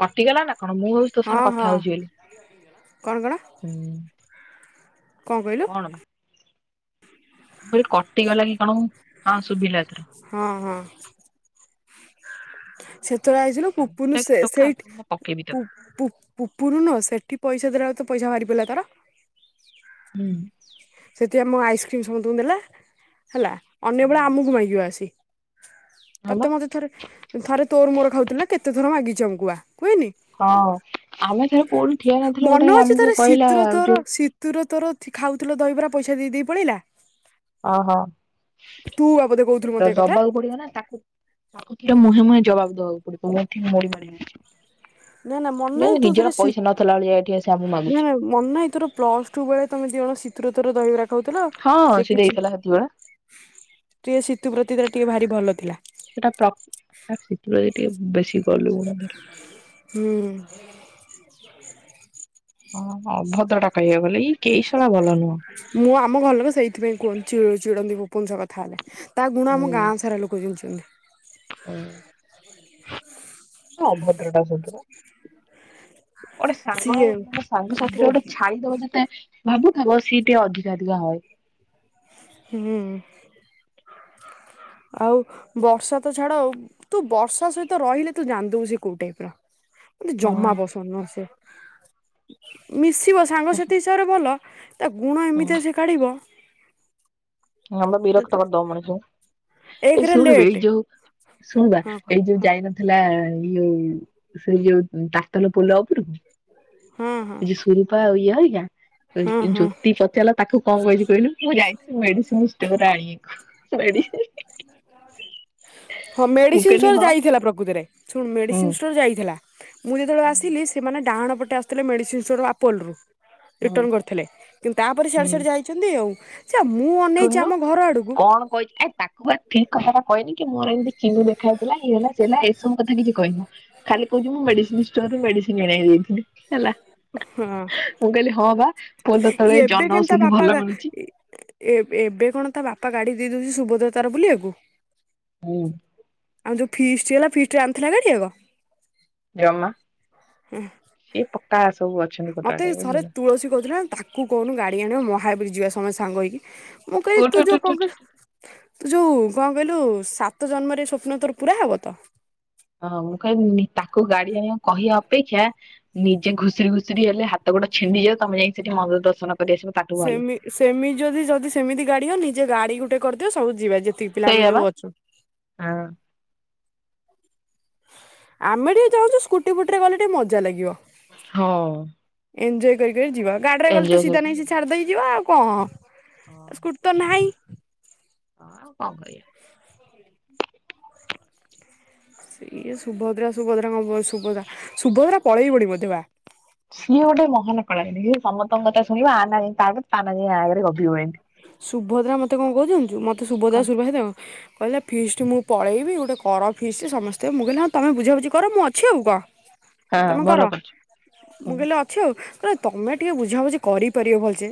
କଟିଗଲା ନାଁ କଣ ମୁଁ ଭାବୁଚି ତୋ ହଁ ସାଙ୍ଗର କଥା ହଁ ହଉଚି ବେଲି ହୁଁ। କଁ କହିଲୁ? କଣ ବା ମୁଁ ଅଇଲି କଟିଗଲା କି କଣ ଉଁ ହଁ ଶୁଭିଲା ଏଥର। ହଁ ହଁ। ହୁଁ, ସେତୋଳେ ଆଇଥିଲୁ ପୁପୁନୁ କାଞ୍ଚୁଲା କି ସେ ଟୋକା ସେଇଠି କୋଉଦିନ ପକେଇବି ପୁ ତାକୁ ପୁ ପୁପୁନୁ ନୁହଁ ସେଠି ପଇସା ଦେଲାଅଳୁ ତ ପଇସା ଭାରି ପଇଲା ତାର। ହୁଁ। ସେଥି ଆମ ଆଇସ୍କ୍ରିମ୍ ସମତୁଁ ଦେଲା ହେଲା ଅନ୍ୟବେଳେ ଆମୁକୁ ମାଗିବ ଆସି। ହଁ ବା ତତେ ମତେ ଥରେ ଥରେ ତୋର ମୋର ଖାଉଥୁଲୁ ନା କେତେ ଥର ମାଗିଚି ଆମୁକୁ ବା‌। କୁହେନି? ହଁ ଆମେ ଥରେ କୋଉଠି ଠିଆ ହେଇନଥିଲେ ଗୋଟେ ମନ ଅଛି ଆମକୁ ଥରେ କହିଲା ଶୀତୁର ତୋର ଯୋଉ ଶୀତୁର ତୋର ଥି ଖାଉଥୁଲ ଦହିବରା ପଇସା ଦେଇଦେଇ ପଳେଇଲା। ଅହ। ତୁ ବା ବୋଧେ ତାକୁ କହୁଥିଲୁ ଦ ମତେ ଏ କଥା ଦବାକୁ ପଡ଼ିବ ନାଁ ତାକୁ ତାକୁ କିଏ ମୁହେଁ ମୁହେଁ ଜବାବ ଦବାଉ ପୁଡ଼ି କୋଉଠି ମୋଡ଼ି ମାଡ଼ି ହେଇଛି ନା ନା ମନେ ଯେ ନିଜର ପଇସା ନଥିଲା ଭଳିଆ ଏଠି ଆସି ଆମୁ ମା ନାଁ ନାଁ ମନ ନାହିଁ ତୋର ପ୍ଲସ୍ ଟୁ ବେଳେ ତମେ ଦି ଜଣ ଶୀତୁର ତୋର ଦହିବରା ଖଉଥୁଲ ହଁ ସିଏ ସେ କିଛି ଦେଇଥିଲା ସେତିକିବେଳେ ଟିଏ ଶୀତୁ ପ୍ରତି ଟିକେ ଭାରି ଭଲ ଥିଲା। ଟିଏ ବେଶୀ ଗଲୁ ଗୁଣ ଧରଛି। ହୁଁ [inaudible] ହଁ ଅଭଦ୍ରଟା କହିଆକୁ ଗଲେ ଏଇ କେଇ ସଳା ଭଲ ନୁହଁ। ମୁଁ ଆମ ଘର ଲୋକ ସେଇଥିପାଇଁ କୁହନ୍ତି ଚି ଚିଡ଼ନ୍ତି ପୁପୁନ ସହ କଥା ହେଲେ। ତା ଗୁଣ ଆମ ଗାଁ ସାରା ଲୋକ ଚିନଚନ୍ତି। ଅ ଅଭଦ୍ରଟା ସଦୁରୁ। ଓଟେ ସାଙ୍ଗ ସିଏ ମାନେ ସାଙ୍ଗ ବ ସାଥିରେ ଓଟେ ଛାଇ ଦବ ଯେତେ ଭାବୁଥା ବ ସିଏ ଟିଏ ଅଧିକା ଅଧିକା ହଏ। ହୁଁ। ଆଉ ବର୍ଷା ତ ଛାଡ ତୁ ବର୍ଷା ସହିତ ରହିଲେ ତୁ ଜନିଦବୁ ସେ କୋଉ ଟାଇପ ର। ମତେ ଜମା ହଁ ପସନ୍ଦ ନୁହ ସେ ମିଶିବ ସାଙ୍ଗ ସେଥି ହିସାବରେ ଭଲ। ତା ଗୁଣ ଏମିତିଆ ସେ କାଢ଼ିବ। ହଁ ବା ବିିରକ୍ତ କରି ଦବ ମଣିଷଙ୍କୁ। ଏଇ ଏକରେ ଶୁଣିବେ ଲେଟ ଏଇ ଯୋଉ ଶୁଣବା ହଁ ହଁ ଏଇ ଯୋଉ ଯାଇ ନଥିଲା। ଇଓଉ ସେଇ ଯୋଉ ତାତଲ ପୋଲ ଉପରକୁ। ହଁ ହଁ ଇ ଜୋଉ ସୁରପା ଆଉ ଇଏ ହରିକା। ହଁ ଇ ହଁ। ଜ୍ୟୋତି ପଚାରିଲା ତାକୁ କଣ କହିଛି କହିଲୁ ମୁଁ ଯାଇଥିଲି ମେଡିସିନ ଷ୍ଟୋର ଆଣିବାକୁ ମେ ହଁ ମୁଁ ମେଡିସିନ କହିଲି ଷ୍ଟୋର ହଁ ଯାଇଥିଲା ପ୍ରକୃତରେ ଶୁଣ ହୁଁ ମେଡିସିନ ଷ୍ଟୋର ଯାଇଥିଲା। ମୁଁ ଯେତେବେଳେ ଆସିଲି ସେମାନେ ଡାହାଣ ପଟେ ଆସୁଥିଲେ ମେଡ଼ିସିନ ଷ୍ଟୋର ଆପୋଲ୍ ରୁ। ହୁଁ ରିଟର୍ଣ୍ଣ କରିଥିଲେ କିନ୍ତୁ ତାପରେ ସିଆଡ଼େ ହୁଁ ସିଆଡ଼େ ଯାଇଛନ୍ତି ଆଉ। ସେ ମୁଁ ଅନେଇଛି ଶୁଣୁନୁ ଆମ ଘର ଆଡକୁ କଣ କହିଛି ଆରେ ତାକୁ ବା ଠିକ କଥାଟା କହନି। କି ମୋର ଏମିତି ଚିନୁ ଦେଖା ହେଇଥିଲା ଇଏ ହେଲା ସେ ହେଲା ଏସବୁ କଥା କିଛି କହିନି। ଖାଲି କହୁଛି ମୁ ମେଡିସିନ ଷ୍ଟୋରୁ ମେଡିସିନ ଆଣିବାକୁ ଜାଇ ଥିଲି। ହେଲା ହଁ ମୁଁ କହିଲି ହଁ ବା। ପୋଲ ତଳେ ଏବେ ଜନ କେନତି ତା ଔଷଧି ପାପା ଭଲ ଗା ମିଳୁଛି ଏବେ କଣ ତା ବାପା ଗାଡି ଦେଇ ଦଉଛି ସୁଭଦ୍ରା ର ତାର ବୁଲିବାକୁ। ହୁଁ ଆଉ ଯୋଉ ଫିଷ୍ଟ ହେଲା ଫିଷ୍ଟ କୁ ଆଣି ଥିଲା ଗାଡି ଆଗ। ଜମା ସିଏ ପକ୍କା ଆସ। ମତେ ଥରେ ତୁଳସୀ କହୁଥିଲା ତାକୁ କହୁନୁ ଗାଡି ଆଣିବା ମହାବୀରୀ ଯିବା ସମସ୍ତେ ସାଙ୍ଗ ହେଇକି। ମୁଁ କଇଲି ଉଠୁ ତୁ ଉଠୁ ଯୋଉ ଉଠୁ କଣ ଉଠୁ ଉଠୁ। କହିଲୁ ତୁ ଯୋଉ କଣ କହିଲୁ। ସାତ ଜନ୍ମରେ ସ୍ୱପ୍ନ ତୋର ପୁରା ହବ ତ। ହଁ ମୁଁ କହିଲି ନି ତାକୁ ଗାଡି ଆଣିବା କହିବା ଅପେକ୍ଷା ନିଜେ ଘୁଷରି ଘୁଷରି ହେଲେ ହାତ। ତ ଗୋଟ ଛିଣ୍ଡିଯାଉ ତମେ ଯାଇକ ସେଠି ମହାବିର ଦର୍ଶନ। କରି ଆସିବ ତାଠୁ ଭଲ। ସେମି ସେମିତି ଯଦି ଯଦି ସେମିତି ଗାଡି ହନି ନିଜେ ଗାଡି ଗୁଟେ କରିଦିଅ ସବୁ ଯିବା। ଯେତିକି ପିଲା ଆମେ ସେଇଆ ବା ଯୋଉ ଅଛୁ। ହଁ ଆମେ ଟିକେ ଚାହୁଁଛୁ ସ୍କୁଟି ବୁଟି ରେ ଗଲେ ଟିକେ ମଜା ଲାଗିବ। ହଁ। ଏନଞ୍ଜଏ କରିି କରି ଯିବା ଗାଡ଼ିରେ ଗଲେ ଏଞ୍ଜୟ ତ ସିଧା ନାହିଁ ସେ ଛାଡ଼ିଦେଇ ଯିବା ଆଉ କଣ। ଓ ସ୍କୁଟି ତ ନାହିଁ ହ ଆଉ କଣ କରିବା। ସେଇଆ ସୁଭଦ୍ରା ସୁଭଦ୍ରା କଣ କହୁଛି ସୁଭଦ୍ରା ସୁଭଦ୍ରା ପଳେଇ ବଣୀ ବୋଧେ ବା। ସିଏ ଗୋଟେ ମହାନ କଳା ଗିନି ସିଏ ସମସ୍ତଙ୍କ କଥା ଶୁଣିବ ଆ ନା ଯାଇ ତା ଆଗରେ ତା ନା ଯାଇ ଆ ଆଗରେ ଗପିବ ଏମତି। ସୁଭଦ୍ରା ମତେ କଣ କହୁଛି ଜାଣିଛୁ ମତେ ସୁଭଦ୍ରା ସୁର ଭାଇ ଦ କହିଲା ଫିଷ୍ଟ ମୁଁ ପଳେଇବି ଗୋଟେ କର ଫିଷ୍ଟ ସମସ୍ତେ ମୁଁ କହିଲି ତମେ ବୁଝାବୁଝି କର ମୁଁ ଅଛି ଆଉ କଣ। ହଁ ତମେ କର ଭଲ କରିଛୁ ମୁଁ ହୁଁ କହିଲି ଅଛି ଆଉ କହିଲା ତମେ। ଟିକେ ବୁଝାବୁଝି କରି ପାରିବ ଭଲସେ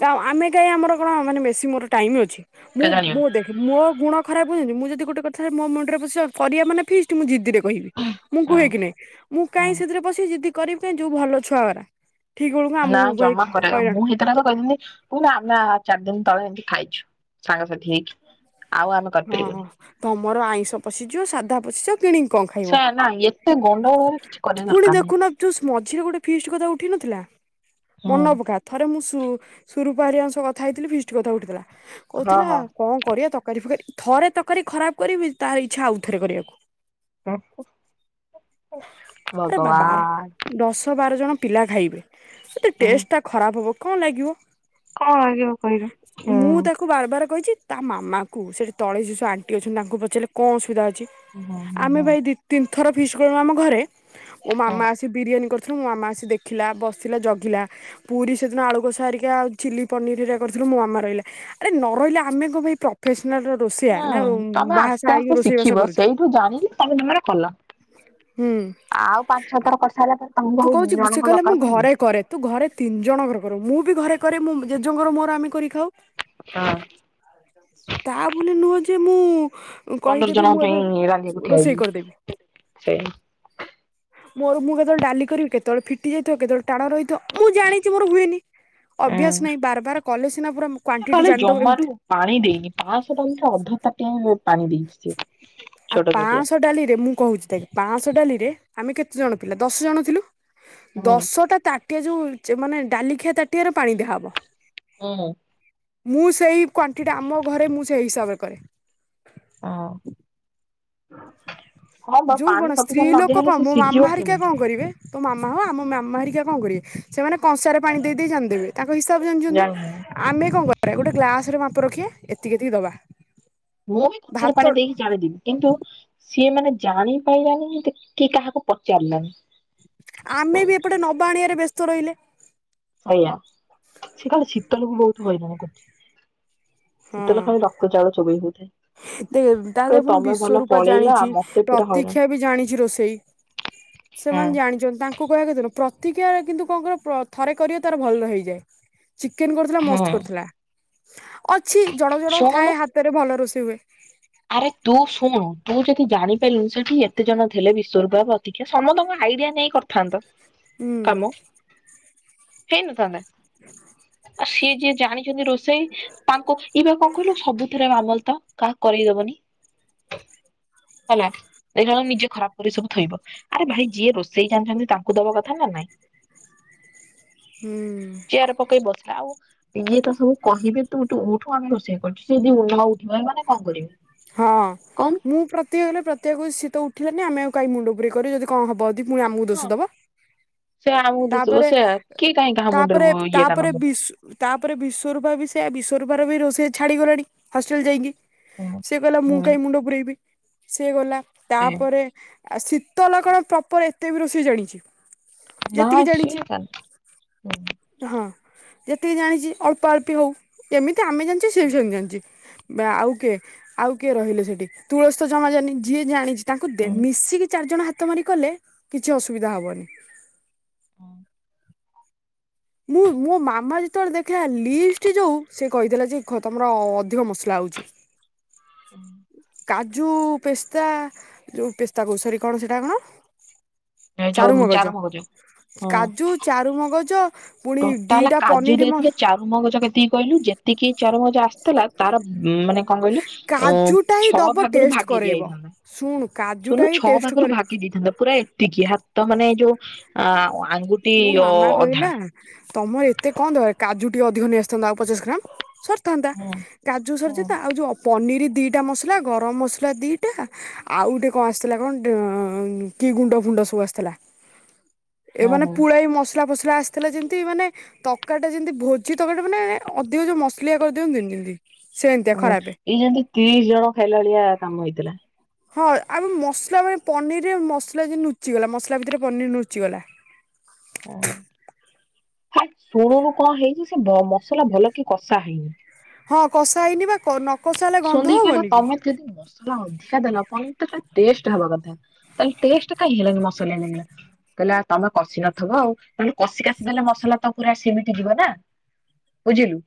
କା ଆମେ କାହିଁ ଆମର କଣ ମାନେ ବେଶୀ ମୋର ଟାଇମ୍ ଅଛି। ମୁଁ କେଜାଣିବ ମୁଁ ଦେଖ ମୋ ଗୁଣ। ଖରାପ କଁ ଜାନିଛୁ ମୁଁ ଯଦି ଗୋଟେ କଥା ମୋ ମଣ୍ଡରେ ପସିବ କରିବା ମାନେ ଫିଷ୍ଟ ମୁଁ ଜିଦିରେ କହିବି ମୁଁ ହୁଁ କୁହେ କିି ନାଇଁ ମୁଁ କାହିଁ ହୁଁ। ସେଥିରେ ପଶିବି ଯିଦି କରିବି କାଇଁ ଯୋଉ ଭଲ ଛୁଆ ଗୁରା। ନା ଜମା କରିବା ମୁଁ ହେଇଥିଲେ ଆଗ କହିଥାନ୍ତି। ନା ଆମେ ଚାରି ଦିନ ତଳେ ଏମତି ଖାଇଛୁ ସାଙ୍ଗସାଥି ହେଇକି। ଆଉ ଆମେ ହଁ କରିପାରିବୁନି ତମର ଆଇଁଷ ପଶିଯିବ ସାଧା ପଶିଯିବ। କିଣିକି କଣ ଖାଇବ। ସେ ନା ଏତେ। ଗଣ୍ଡଗୋଳରେ କିଛି କରିବା ପୁଣି ଦରକାର ନାହିଁ। ଦେଖୁନ ତୁ ମଝିରେ ଗୋଟେ ଫିଷ୍ଟ କଥା ଉଠେଇ ନଥିଲା। ହୁଁ। ମନ ପକା ଥରେ ମୁଁ ସ ସୁ ସରୁପା ହରିିଆ ଙ୍କ ସହ କଥା ହେଇଥିଲି ଫିଷ୍ଟ କଥା ଉଠିଥିଲା ହଁ କହୁଥିଲା ହଁ କଣ କରିବା ତକାରୀ ଫକାରୀ। ଥରେ ତକାରୀ ଖରାପ କରିବି ତାର ଇଛା ଆଉଥରେ କରିବାକୁ। ଆରେ ବା ବାର ଭଗବାନ ଦଶ ବାର ଜଣ। ପିଲା ଖାଇବେ। ଯଦି ଟେଷ୍ଟ ଟା ଖରାପ ହବ କଣ ଲାଗିବ? କଣ ଲାଗିବ କହିଲୁ। ମୁଁ ହୁଁ ତାକୁ ବାରବାର କହିଚି ତା ମାମାଙ୍କୁ ସେଠି ତଳେ ଯେ ସେ ଆଣ୍ଟି ଅଛନ୍ତି ତାଙ୍କୁ ପଚାରିଲେ କ ଅସୁବିଧା ଅ ଛି, ହୁଁ ହୁଁ ଆମେ ପା ଏଇ ହୁଁ। ଦି ତିନ ଥର ଫିଷ୍ କଲୁ ଆମ ଘରେ ମୋ ମାମା ଆସି ବିରିୟାନୀ କର ଥିଲୁ ମୋ ମାମା ଆସି ଦେଖିଲା, ବସିଲା, ଜଗିଲା, ପୁରି ସେଦିନ ଆଳୁ କଷା ହେରିକି ଆଉ ଚିଲି ପନିର୍ ହେରା କରିଥିଲୁ। ଏ ମୋ ମାମା ରହିଲା ଆରେ ନ ରହିଲେ ଆମେ କଣ ପାଇଁ ପ୍ରଫେସନାଲ ରୋଷିଆ ନା ଉଁ, ହୁଁ ତମେ ବାହା ଆସ୍ତେ ସାହା ହେଇକି ଆସ୍ତେ ରୋଷେଇ ବାସ ଶିଖିବ କରୁଛୁ। ସେଇଠୁ ଜାଣିକି ତମେ ତମର କଲ। ହୁଁ। ଆଉ ପାଞ୍ଚ ଛଅ ଥର କରିସାରିଲା ପରେ ତମକୁ ତୁ ଆଉ କହୁଛୁ ସେ ଜଣଙ୍କ କହିଲା ଦରକାର ମୁଁ ପଡିବ ଘରେ କି? କରେ। ତୁ ଘରେ ତିନି ଜଣଙ୍କର କରୁ। ମୁଁ ବି ଘରେ କରେ ମୁଁ ଜେଜେଙ୍କର ମୋର ଆମେ କରି ଖାଉ। ହଁ ତା ନେ ନୁହଁ ଯେ ମୁଁ ଉ, ପନ୍ଦର କହିଦେବି ମୁଁ ଜଣଙ୍କ ଏବେ ପାଇଁ ରାନ୍ଧିବାକୁ ଠିଆ ରୋଷେଇ ହେଇଛି କରିଦେବି। ସେ ମୋର ମୁଁ କେତବେଳେ ଡାଲି କରିବି କେତେବେଳେ ଫିଟି ଯାଇଥିବ। କେତେବେଳେ ଟାଣ ରହିିଥିବ। ମୁଁ ଜାଣିଚି ମୋର ହୁଏନି। ଅଭ୍ୟାସ ନାହିଁ। ବାର ବାର କଲେ ସ ସେ କାଲି ଜମାରୁ ପାଣି ଦେଇନି। ପାଁଶହ ପାଣିଟା ଅଧା ତାଟିଆ ହୋ ପାଣି ଦେଇଛି ସେ। ଆ, ପାଁଶ ଡାଲିରେ ମୁଁ କହୁଚି ଦେଖେ ପାଁଶ ଡାଲିରେ ଆମେ କେତେ ଜଣ ପିଲା? ଦଶ ଜଣ ଥିଲୁ। ହୁଁ ଦଶଟା ତାଟିଆ ଯୋଉ ଚେ- ମାନେ ଡାଲି ଖିଆ ତାଟିଆର ପାଣି ଦିଆହବ। ହଁ। ମୁଁ ସେଇ କ୍ଵାଣ୍ଟିଟି ଆମ ଘରେ ମୁଁ ସେଇ ହିସାବରେ କରେ। ହଁ। ବା ଯୋଉ ପାଣି କଣ ସ୍ତ୍ରୀ ସଫିସେଣ୍ଟ ନଦିଆ ଲୋକ ହେଲେ କଣ ସେ ମୋ ସିଝିବ ମାମା ହାରିକା କେମିତି? କଣ କରିବେ ତୋ ମାମା ହୋ ଆମ ମାମା ହେରିକା କଣ କରିବେ ସେମାନେ କଂସାରେ ପାଣି ଦେଇ ଦେଇ ଜାଣିଦେବେ। ତାଙ୍କ ହିସାବ ଜାଣିଚନ୍ତି। ଜାଣିନି ଆମେ କଣ କରିବା ଗୋଟେ ଗ୍ଲାସ୍ ରେ ମାପ ରଖିବା ଏତିକି ଏତିକି ଦବା। ମୁଁ ବି କଂସାରେ ଭାତ ପାଣି ଦେଇକି ଜାଣିଦେବି। କିନ୍ତୁ ସିଏ ମାନେ ଜାଣି ପାଇଲାନି କିନ୍ତୁ କି କାହାକୁ ପଚାରିଲାନି। ଆମେ ବି ଏପଟେ ନବା ଆଣିଆରେ ବ୍ୟସ୍ତ ରହିଲେ। ସେୟା ସେ କାଳେ ଶୀତଲକୁ ବହୁତ ହଇରାଣ କରିଛି। ଶୀତଲ ଖାଲି ରକ୍ତ ଚାଉଳ ଚୋବେଇ ହଉଥାଏ। ତେବେ ତା କ ହାତରେ ପୁଣି ତମେ ଭଲ ବିଶ୍ଵରୂପା ପଳେଇଲ ଆ ଜାଣିଛି। ମତେ ପୁରା ହଇରାଣ। ପ୍ରତୀକ୍ଷା ବି ଜାଣିଛି ରୋଷେଇ। ସେମାନେ ଜାଣିଚନ୍ତି ତାଙ୍କୁ କହିବା କଥା ନୁହଁ। ଥ ପ୍ରତିକ୍ଷା କିନ୍ତୁ କଣ କରେ ପ- ଥରେ କରିବ ତାର ଭଲ ହେଇଯାଏ। ଚିକେନ୍ କରିଥିଲା ହୁଁ ହୁଁ ମସ୍ତ କରିଥିଲା। ଅଛି ଜଣ ଜଣ ଶୁଣୁନୁ ଥାଏ ହାତରେ ଭଲ ରୋଷେଇ ହୁଏ। ଆରେ ତୁ ଶୁଣୁ ତୁ ଯଦି ଜାଣିପାଇଲୁନି ସେଠି ଏତେ ଜଣ ଥିଲେ ବିଶ୍ଵରୂପା ପ୍ରତିକ୍ଷା ସମସ୍ତଙ୍କ ଆଇଡିଆ ନେଇ କରିଥାନ୍ତ। ହୁଁ। ହେଇ ନଥାନ୍ତା। ଆ ସିଏ ଯିଏ ଜାଣିଚନ୍ତି ରୋଷେଇ ତାଙ୍କ ଏଇ ପା କଣ କହିଲୁ ସବୁଥିରେ ମାମଲ ତ କାହା କରେଇଦବନି। ହଲା ଏଇଥର ନିଜେ ଖରାପ କରି ସବୁ ଥୋଇବ। ଆରେ ଭାଇ ଯିଏ ରୋଷେଇ ଜାଣିଛନ୍ତି ତାଙ୍କୁ ଦବା କଥା ନା। ନାଇଁ। ହ ଚେୟାର୍ ପକେଇ ବସିଲା। ଆଉ ଇଏ ତ ସବୁ କହିବେ ତୁ ତୁ ଉଠୁ ଆମେ ରୋଷେଇ କରୁଛୁ। ସିଏ ଯଦି [unintelligible] ଉଠିବ ଏ ମାନେ କଣ କରିବେ। ହଁ କହୁନୁ ମୁଁ ପ୍ରତିକ୍ଷା ଗଲେ ପ୍ରତିକ୍ଷା କୁହେ ସିଏ ତ ଉଠିବନି ଆମେ ଆଉ କାଇ ମୁଣ୍ଡ ପୁୁରେଇ କରିବୁ ଯଦି କଣ ହବ ଧିକ ପୁଣି ଆମକୁ ହଁ ଦୋଷ ଦବ। ସେ ଆଣ ଆମକୁ ଦୁଷ ଦ ତାପରେ ସେୟା କିଏ କାଇଁ ତାପରେ ତାପରେ ବିଶ୍ ତାପରେ ବିଶ୍ଵରୂପା ବି ସେୟା ବିଶ୍ଵ ରୂପାର ବି ରୋଷେଇ ଛାଡିଗଲାଣି ହଷ୍ଟେଲ୍ ଯାଇକି। ହୁଁ ସିଏ କହିଲା ମୁଁ ହୁଁ କାହିଁ ମୁଣ୍ଡ ପୁୁରେଇବି। ସିଏ ଗଲା, ସେ ତାପରେ ଆ, ଶୀତଲ କଣ ପ୍ରପର୍ ଏତେ ବି ରୋଷେଇ ଜାଣିଛି? ନା ଯେତିକି ଜାଣିଛି ସିଏ ତା ହୁଁ ଏ ହଁ। ଯେତିକି ଜାଣିଛି ଅଳ୍ପ ଅଳ୍ପି ହଉ କେମିତି ଆମେ ଜାଣିଛେ ସିଏ ବି ସେମିତି ଜାଣିଛି ବା ଆଉ କିଏ ଆଉ କିଏ ରହିଲେ ସେଠି ତୁଳସି ତ ଜମା ଜାନୀ ଯିଏ ଜାଣିଛି ତାଙ୍କୁ ଦେ ହୁଁ ମିଶିକି ଚାରି ଜଣ ହାତ ମାରି କଲେ କିଛି ଅସୁବିଧା ହବନି ମୁଁ ମୋ ମାମା ଯେତେବେଳେ ଦେଖିଲା ଲିଷ୍ଟ ଯୋଉ ସେ କହିଥିଲା ଯେ ଖ ତମର ଅଧିକ ମସଲା ହଉଛି କାଜୁ ପେସ୍ତା ଯୋଉ ପେସ୍ତା କୋଷରୀ କଣ ସେଇଟା କଣ ଏ ଯୋଉ ଚାରୁମଗଜ ହଁ କାଜୁ ଚାରୁମଗଜ ପୁଣି ଦିଟା ପନିର ମସ ତାକୁ ଏତିକି କହିଲୁ ଯେତିକି ଚାର ମଜା ଆସିଥିଲା ତାର ଉ ମାନେ କଣ କହିଲୁ ଅ କାଜୁଟା ହିଁ ଛଅ ଦବ ଭାଗରୁ ଟେଷ୍ଟ ଭାଗେ କରେଇବ। ଦିଆଯାଇଥାଆନ୍ତା ଶୁଣୁ କାଜୁଟା ଶୁଣୁନୁ ହିଁ ଛଅ ଟେଷ୍ଟ ଭାଗରୁ କରେ ଭାଙ୍ଗି ଦେଇଥାନ୍ତା ପୁରା ଏତିକି ହା ତ ମାନେ ଯୋଉ ଆ ଆଙ୍ଗୁଟି ମୋ ଅ ମାମା ଅଧା କହିଲା ତମର ଏତେ କଣ ଦ କାଜୁ ଟିକେ ଅଧିକ ନେଇ ଆସିଥାନ୍ତା ଆଉ ପଚାଶ ଗ୍ରାମ ସ ଥାନ୍ତା ହୁଁ କାଜୁ ସରିଯା ହୁଁ ତା ଆଉ ଯୋଉ ଅ ପନିର ଦିଟା ମସଲା ଗରମ ମସଲା ଦିଟା ଆଉ ଗୋଟେ କଣ ଆସିଥିଲା କଣ ଡ ଅ କି ଗୁଣ୍ଡ ଫୁ ଡୋ ସବୁ ଆସିଥିଲା ଏ ମାନେ ହୁଁ ପୁଳଏ ମସଲା ଫସଲା ଫ୍ରାସ ଥିଲା ଯେମିତି ମାନେ ତକାଟା ଯେମିତି ଭୋଜି ତକାର ଟା ମାନେ ଅଧିକ ଯୋଉ ମସଲିଆ କରିଦିଅନ୍ତିନି ଯେମିତି ସେମିତିଆ ହଁ ଖରାପେ। ଏଇ ଯେମତି ତିରିଶ ଜଣ ଖାଇଲାଳିଆ କାମ ହେଇଥିଲା ହଁ ଆମ ମସଲା ମାନେ ପନିରେ ମସଲା ଲୁଚିଗଲା ମସଲା ଭିତରେ ପନିର ଲୁଚିଗଲା ହେ ଶୁଣୁନୁ କଣ ହେଇଛି ସେ ବ ମସଲା ଭଲ କି କଷା ହେଇନି ହଁ କଷା ହେଇନି ବା କ ନ କଷା ହେଲେ ଗନ୍ଧ ସୋନ୍ଦୀ କି କହିଲେ ହବନି ତମେ ଯଦି ମସଲା ହଉନି ଖା ଦେଲ ପନିର ଟା କାଇ ଟେଷ୍ଟ ହବା କଥା ତାହେଲେ ଟେଷ୍ଟ କାଇ ହେଲାନି ମସଲିଆ ଲାଗିଲା କହିଲା ତ ତମେ କଷି ନଥିବ ଆଉ ତାହେଲେ କଷି କାସିି ଦେଲେ ମସଲା ତ ପୁରା ସେିମିତି ଯିବ ନା ବୁଝିଲୁ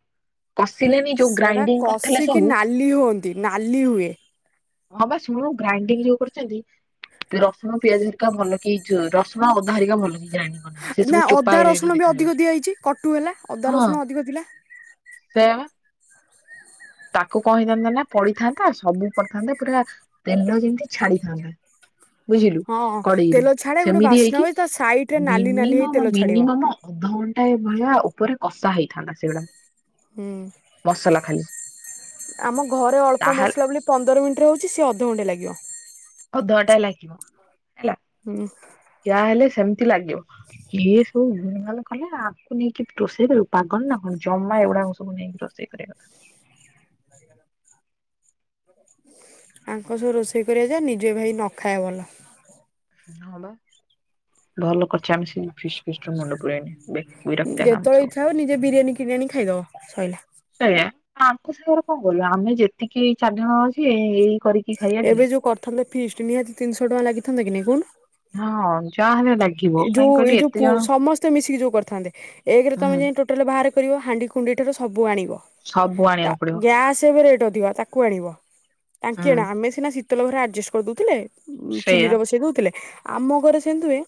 କଷିଲେନି ଯୋଉ ସେଟା ଗ୍ରାଇଣ୍ଡିଙ୍ଗ କରିଥିଲା କଷିକି ସବୁ ନାଲି ହୁଅନ୍ତି ନାଲି ହୁଏ ହଁ ବା ଶୁଣୁ ଗ୍ରାଇଣ୍ଡିଙ୍ଗ ଯୋଉ କରୁଛନ୍ତି ରସୁଣ ପିଆଜ ହରିକା ଭଲ କି ଯା ରସୁଣ ଅଧା ହାରିକା ଭଲ କି ଜାଣିପାରୁନାହାନ୍ତି ସେ ନା ସବୁ ଚୋପା ଅଦା ଏଡେ ଏଡି ରସୁଣ ବି ଅଧିକ ଦେଖାଯାଉଛି ଦିଆହେଇଛି କଟୁ ହେଲା ଅଦା ହଁ ରସୁଣ ଅଧିକ ଥିଲା ସେୟାବା ତାକୁ କହେଇଥାନ୍ତା ନା ପଡିିଥାନ୍ତା ସବୁ ପଡିଥାନ୍ତା ପୁରା ତେଲ ଯେମିତି ଛାଡିଥାନ୍ତା ବୁଝିଲୁ ହଁ କଡେଇରୁୁ ତେଲ ଛାଡେ ଗୋଟେ ସେମିତି ବାସ୍ନା ହେଇକି ହୁଏ ତା ସାଇଡ ରେ ନାଲି ନାଲି ହେଇ ତେଲ ମିନିମମ ଛାଡିବ ମିନିମମ ଅଧଘଣ୍ଟା ଟା ଏ ଭଳିଆ ଉପରେ କଷା ହେଇଥାନ୍ତା ସେଗୁଡା ହୁଁ ମସଲା ଖାଲି ଆମ ଘରେ ଅଳ୍ପ ତାହେଲେ ମସଲା ବୋଲି ପନ୍ଦର ମିନିଟ ହଉଛି ସିଏ ଅଧଘଣ୍ଟେ ଲାଗିବ ଅଧଘଣ୍ଟା ଏ ଲାଗିବ ହେଲା ହୁଁ ଯାହେଲେ ସେମିତି ଲାଗିବ ଇ ଏ ହଉୁ କଲେ ଆଗକୁ ନେଇକି ରୋଷେଇ କରିବୁ ପାଗଲ ନା କଣ ଜମା ଏଗୁଡ଼ାକ ସବୁ ନେଇକି ରୋଷେଇ କରିବାକଥା [inaudible] ତାଙ୍କ ସବୁ ରୋଷେଇ କରିବା ଯା ନିଜେ ଭାଇ ନ ଖାଏ ଭଲ ହଁ ବା ଭଲ କରିଛେ ଆମେ ସେ ଫିସ ଫିଷ୍ଟ ମୁଣ୍ଡ ପୁରାଇନ ଯେତେବେଳେ ଇଚ୍ଛା ହବ ନିଜେ ବିରିୟାନୀ କିରିଆଣୀ ଖାଇଦବ ସଇଲା ଆମ ସେ ଘରେ କଣ କଲୁ ଆମେ ଯେତିକି ଏ ଚାରି ଜଣ ଅଛି ଏ ଏଇ କରିକି ଖାଇବା ଟି। ଏବେ ଯୋଉ କରିଥାନ୍ତେ ଫିଷ୍ଟ ନିହାତି ତିନିଶହ ଟଙ୍କା ଲାଗିଥାନ୍ତ କି ନାଇଁ କହୁନୁ ହଁ ଯାହା ହେଲେ ଲାଗିବ ଏ କାହିଁକି ଯୋଉ ଏଇ କହିଲୁ ଯୋଉ ଏତେ ପୁ ଜଣ ସମସ୍ତେ ମିଶିକି ଯୋଉ କରିଥାନ୍ତେ ଏକେରେ ତମେ ହୁଁ ଜି ଟୋଟାଲ ବାହାରେ କରିବ ହାଣ୍ଡି କୁଣ୍ଡି ଠାରୁ ସବୁ ଆଣିବ ସବୁ ତା ଆଣିବାକୁ ପଡିବ ଗ୍ୟାସ୍ ଫେରେ ତ ଅଧିକା ତାକୁ ଆଣିବ ତାଙ୍କି ଆଣ ହୁଁ ଆମେ ସିନା ଶୀତଲ ଘରେ ଆଡଜଷ୍ଟ କରିଦଉଥିଲେ ଉ ସେଇଆ। ଚୁଲିରେ ବସେଇ ଦଉଥିଲେ ଆମ ଘରେ ସେମିତି ହୁଏ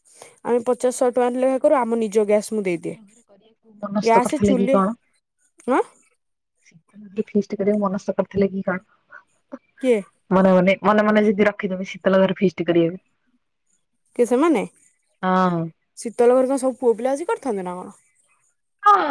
ଆମେ ପଚାଶହ ଟଙ୍କା ଲେଖା କରୁ ଆମ ନିଜ ଗ୍ୟାସ୍ ମୁଁ ଦେଇଦିଏ ମନସ୍ଥ ଗ୍ୟାସ୍ କରିଥିଲେ କିି ଚୁଲି କଣ ହଁ ଫିଷ୍ଟ କରିବାକୁ ମନସ୍ କରିଥିଲେ କି କଣ କିଏ ମନେ ମନେ ମନେ ମନେ ଯଦି ରଖିଦେବୁ ଶୀତଲ ଘର ଫିଷ୍ଟ କରିବାକୁ କି ସେମାନେ ଶୀତଲ ଘରକୁ ସବୁ ପୁଅ ପିଲା ଆସି କରିଥାନ୍ତ ନା କଣ? ହଁ।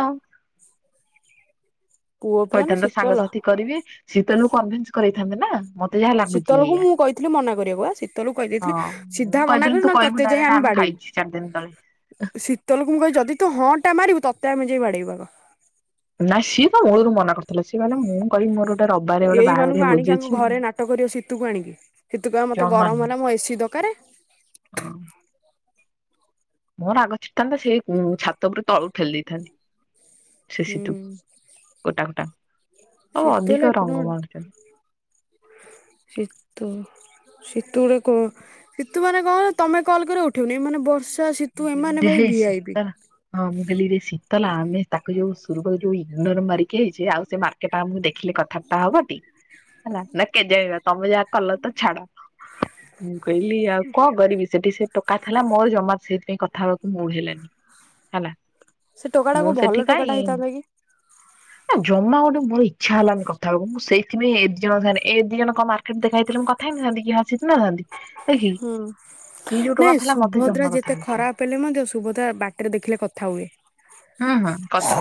ପୁଅ ପିଲା ନା କହିଥାନ୍ତ ଶୀତଲ ସାଙ୍ଗସାଥି କରିବି ଶୀତଲ କନଭିନ୍ସ କରଥାନ୍ତେ ନା ମତେ ଯାହା ଲାଗୁଛି ଶୀତଲକୁ ଇଆ ମୁଁ କହିଥିଲି ମନା କରିବାକୁ ବା ଶୀତଲକୁ କହିଦେଇଥିଲି ହଁ ସିଧା ମୁଁ ମନା କହିଥିଲେ କରି ତୁ ନହେଲେ କହିବୁ ଡାଇରେଟ ଆମେ ଖାଇ ସି ଚାରି ଦିନ ତଳେ। ଶୀତଲଙ୍କୁ ମୁଁ କହିବି ଯଦି ତୁ ହଁ ଟା ମାରିବୁ ତତେ ଆମେ ଯାଇ ବାଡେଇବୁ ଆଗ। ନା ସିଏ ତ ମୁଳୁରୁ ମନା କରିଥିଲେ ସିଏ କହିଲେ ମୁଁ କହିବି ମୋର ଗୋଟେ ରବିବାରେ ଗୋଟେ ଏଇ ମାନଙ୍କୁ ବାହାଘରିଆ ଭୋଜି ଆଣିକି ଆଙ୍କୁ ଅଛି ଘରେ ନାଟ କରିବ ସୀତୁକୁ ଆଣିକି ସୀତୁ କହିବ ମତେ ଜମା ଗରମ ନୁହଁ ହେଲା ମୋ ଏସିି ଦରକାର। ହଁ। ମୋର ରାଗ ଛିଡିଥାନ୍ତା ସେଇ ଉଁ ଛାତ ଉପରେ ତଳକୁ ଠେଲି ଦେଇଥାନ୍ତି। ସେ ହୁଁ। ସିତୁ ଗୋଟା ଗୋଟା ଆଉ ଅଧିକ ରଙ୍ଗ ମାଡୁଛନ୍ତି। ସିତୁ। ସିତୁ ଗୁଟେ କ ସିତୁ ମାନେ କଣ ତମେ କଲ କରି ଉଠେଇବନି ଏମାନେ ବର୍ଷ ମୁଁ କହିଲି ହେ ଶିତଲ ହଁ ମୁଁ କହିଲିରେ ଶୀତଲ ଆମେ ତାକୁ ଯୋଉ ସୋ ରୁ କହିଲି ଯୋଉ ଇଗନର ମାରିକି ଆଇଚେ ଆଉ ସେ ମାର୍କେଟ ଆମକୁ ଦେଖିଲେ କଥାବାର୍ତା ହବ ଟି? ହଲା ନା କେଜାଣି [unintelligible] ତମେ ଯାହା କଲ ତ ଛାଡ ମୁଁ କହିଲି ଆଉ କଣ କରିବି ସେଠି ସେ ଟୋକା ଥିଲା ମୋର ଜମା ସେଇଥି ପାଇଁ କଥା ହେବାକୁ ମୁଡ଼ ହେଲାନି ହେଲା। ସେ ଟୋକାଟା ମୁଁ କୋଉ ସେଠି ଭଲ ଟୋକାଟା କାଇଁ ହେଇଥାନ୍ତା କି? ନା ଜମା ଗୋଟେ ମୋର ଇଚ୍ଛା ହେଲାନି କଥା ହବାକୁ ମୁଁ ସେଥିପାଇଁ ଏ ଦି ଜଣ [unintelligible] ଏ ଦି ଜଣ କଣ ମାର୍କେଟ ଦେଖା ହେଇଥିଲା। କଥା ହେଇ ନଥାନ୍ତି କି [unintelligible] ନଥାନ୍ତି ଦେଖି କି ହୁଁ। ସିଏ ଯୋଉ ଟୋକା ଥିଲା ମତେ ଜମା [unintelligible] ଏତେ ଖରାପ ହେଲେ ମଧ୍ୟ ଶୁଭଦ୍ରା ବାଟରେ ଦେଖିଲେ କଥା ହୁଏ। ହୁଁ ହୁଁ କଥା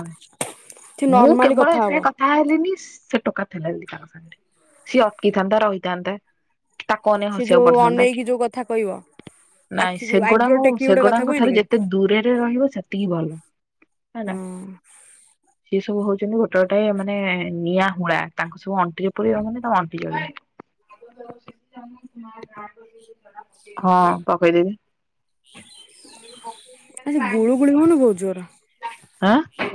ସେ ହୁଏ ମୁଁ ନର୍ମାଲି କେବଳ ହବ ଏଥିପାଇଁ କଥା ହେଲିନି ସେ ଟୋକା ତାଙ୍କ ସାଙ୍ଗରେ ସିଏ ଅଟକି ଥାନ୍ତା ରହିଥାନ୍ତା। ତାକୁ ଅନେଇ ସେ ଯୋଉ ହସିବାକୁ ପଡିଥାନ୍ତା ଅନେଇକି କି? ଯୋଉ କଥା କହିବ। ନାଇଁ ଆଖିକୁ ଆଇବ୍ରୋ ସେଗୁଡାଙ୍କୁ ଟେକି ଗୋଟେ କଥା ସେଗୁଡାଙ୍କ କୁହେନି ଠାରୁ କି ଯେତେ ଦୂରରେ ରହିବ ସେତିକି ଭଲ। ଆଲା ହଁ ସିଏ ସବୁ ହଉଛନ୍ତି ଗୋଟେ ଗୋଟେ ମାନେ ନିଆଁ ହୁଳା ତାଙ୍କ ସବୁ ଅଣ୍ଟିରେ ପୁରେଇ ରହିବ ମାନେ ତା ଅଣ୍ଟି ଜଳିବ। ହଁ ପକେଇ ଦେବି। ହୁ କ ଆଜି ଗୁଳୁଗୁଳି ହଉନି ବହୁତ ଜୋର? ହାଁ